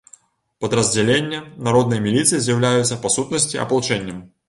Падраздзялення народнай міліцыя з'яўляюцца, па сутнасці, апалчэннем.